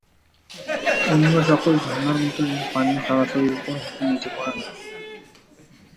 অন্য সকল ঝর্ণার মত এর পানি সরাসরি উপর হতে নিচে পড়ে না।